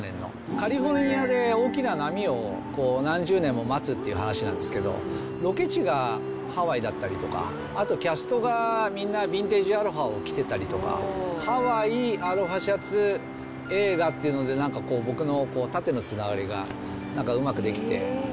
カリフォルニアで大きな波を何十年も待つって話なんですけど、ロケ地がハワイだったりとか、あとキャストがみんなビンテージアロハを着てたりとか、ハワイ、アロハシャツ、映画っていうので、なんかこう、僕の縦のつながりがなんかうまくできて。